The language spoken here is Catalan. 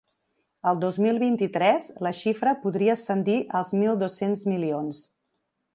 El dos mil vint-i-tres, la xifra podria ascendir als mil dos-cents milions.